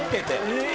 え！